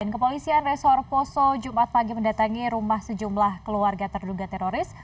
kepolisian resor poso jumat pagi mendatangi rumah sejumlah keluarga terduga teroris